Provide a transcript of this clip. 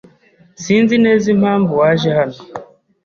Sinzi neza impamvu waje hano.